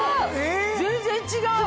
全然違う！